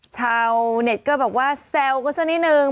ชาวเน็ตก็บอกว่าแซวกันสักนิดนึง